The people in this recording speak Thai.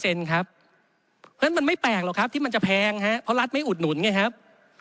เพราะฉะนั้นมันไม่แปลกหรอกครับที่มันจะแพงเพราะรัฐไม่อุดหนุนไงครับ